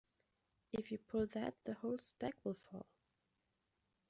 If you pull that the whole stack will fall.